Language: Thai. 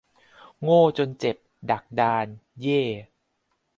โง่จนเจ็บ ดักดาน เย้ !